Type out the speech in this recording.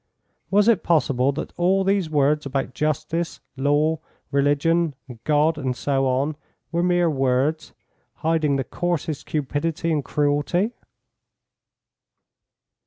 Was it possible that all these words about justice, law, religion, and God, and so on, were mere words, hiding the coarsest cupidity and cruelty?